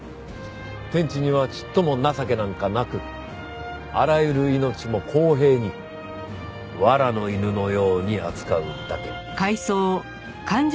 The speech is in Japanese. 天地にはちっとも情けなんかなくあらゆる命も公平にわらの犬のように扱うだけ。